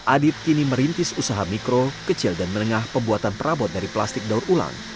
adit kini merintis usaha mikro kecil dan menengah pembuatan perabot dari plastik daur ulang